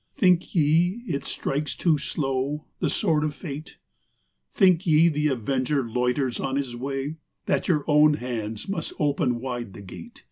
XX. Think ye it strikes too slow, the sword of fate, Think ye the avenger loiters on his way, That your own hands must open wide the gate.